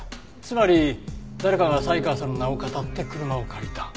つまり誰かが才川さんの名をかたって車を借りた。